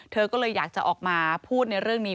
เธอก็เลยอยากจะออกมาพูดในเรื่องนี้